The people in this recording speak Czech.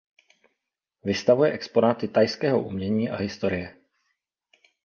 Vystavuje exponáty thajského umění a historie.